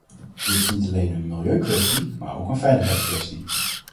Dit is niet alleen een milieukwestie, maar ook een veiligheidskwestie.